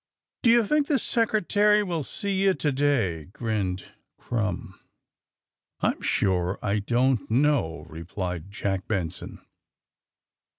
D'ye think the Secretary will see you to day 1 '' grinned Krumm. I'm sure I don't know,^' replied Jack Ben son.